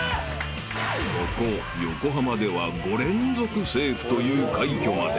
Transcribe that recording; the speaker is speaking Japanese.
［ここ横浜では５連続セーフという快挙まで］